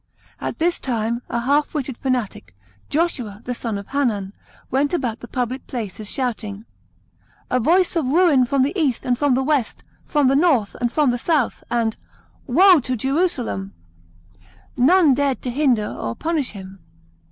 At this time a half witted fanatic, Joshua, the son of Hanan, went about the public places shouting, " A voice of ruin from the east and from the west, from the north and from the south !" and " Woe to Jerusalem !" None dared to hinder or punish him.